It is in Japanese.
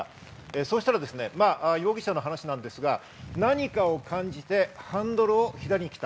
そしたら容疑者の話ですが、何かを感じてハンドルを左に切った。